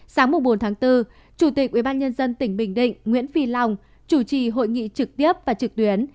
sáng bốn tháng bốn chủ tịch ubnd tỉnh bình định nguyễn phi long chủ trì hội nghị trực tiếp và trực tuyến